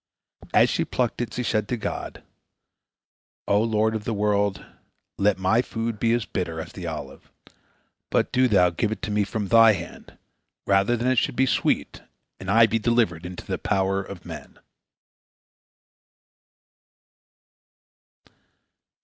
As she plucked it, she said to God: "O Lord of the world, let my food be as bitter as the olive, but do Thou give it to me from Thy hand, rather than it should be sweet, and I be delivered into the power of men."